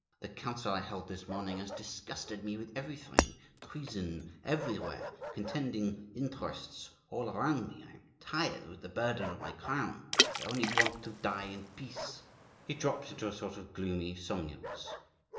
The council I held this morning has disgusted me with everything; treason everywhere; contending interests all about me. I am tired with the burden of my crown. I only want to die in peace." He dropped into a sort of gloomy somnolence.